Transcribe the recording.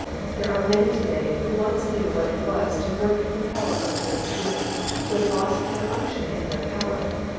There are many to day who once knew what it was to work in the power of the Holy Spirit who have lost their unction and their power.